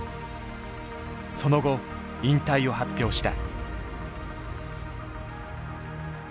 その後引退を発表した。